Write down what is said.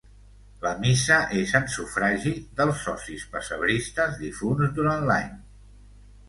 La missa és en sufragi dels socis pessebristes difunts durant l'any.